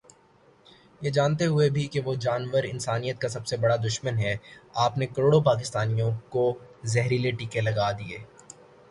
یہ جانتے ہوئے بھی کہ وہ جانور انسانیت کا سب سے بڑا دشمن ہے آپ نے کروڑوں پاکستانیوں کو زہریلے ٹیکے لگا دیے۔۔